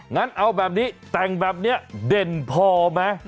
งั้นเอาแบบนี้แต่งแบบนี้เด่นพอไหม